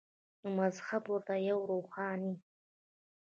نو مذهب ورته یوه روحاني